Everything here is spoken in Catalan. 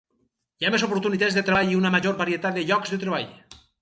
Hi ha més oportunitats de treball i una major varietat de llocs de treball.